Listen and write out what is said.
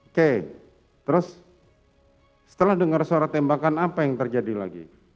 oke terus setelah dengar suara tembakan apa yang terjadi lagi